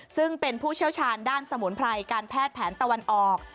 ซึ่งเป็นผู้เชี่ยวชาญด้านสมุนไพรการแพทย์แผนตะวันออก